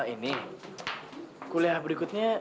ini kuliah berikutnya